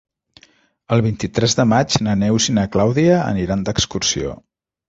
El vint-i-tres de maig na Neus i na Clàudia aniran d'excursió.